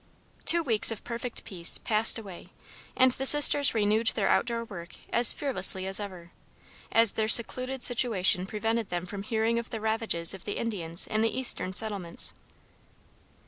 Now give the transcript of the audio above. Two weeks of perfect peace passed away, and the two sisters renewed their outdoor work as fearlessly as ever, as their secluded situation prevented them from hearing of the ravages of the Indians in the eastern settlements.